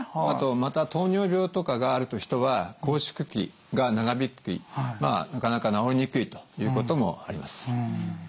あとまた糖尿病とかがある人は拘縮期が長引きなかなか治りにくいということもあります。